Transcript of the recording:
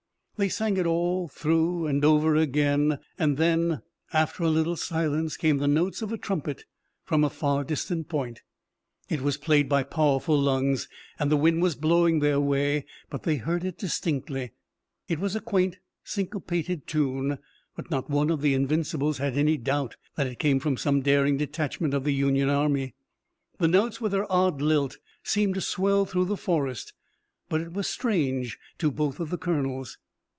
They sang it all through, and over again, and then, after a little silence, came the notes of a trumpet from a far distant point. It was played by powerful lungs and the wind was blowing their way but they heard it distinctly. It was a quaint syncopated tune, but not one of the Invincibles had any doubt that it came from some daring detachment of the Union Army. The notes with their odd lilt seemed to swell through the forest, but it was strange to both of the colonels.